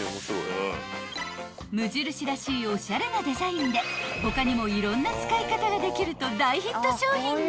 ［無印らしいおしゃれなデザインで他にもいろんな使い方ができると大ヒット商品に］